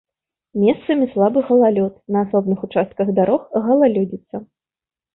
Месцамі слабы галалёд, на асобных участках дарог галалёдзіца.